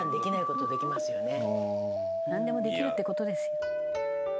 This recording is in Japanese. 「なんでもできるって事ですよ」